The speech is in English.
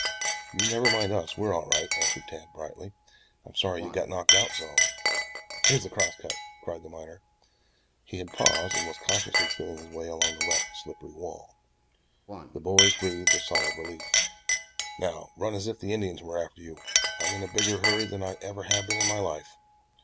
"You never mind us. We're all right," answered Tad brightly. "I'm sorry you got knocked out so." "Here's the cross cut," cried the miner. He had paused and was cautiously feeling his way along the wet, slippery wall. The boys breathed a sigh of relief. "Now run as if the Indians were after you. I'm in a bigger hurry than I ever have been in my life."